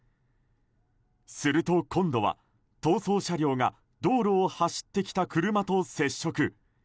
すると、今度は逃走車両が道路を走ってきた車と接触。